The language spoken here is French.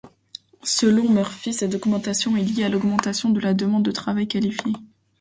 Selon Murphy cette augmentation est liée à l'augmentation de la demande de travail qualifié.